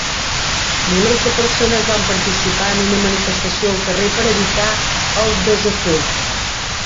Milers de persones van participar en una manifestació al carrer per evitar el desafur.